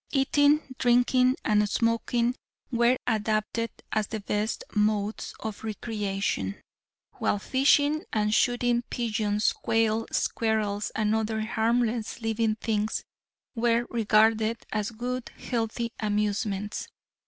Eating, drinking and smoking were adapted as the best modes of recreation, while fishing and shooting pigeons, quail, squirrels and other harmless living things were regarded as good, healthy amusements.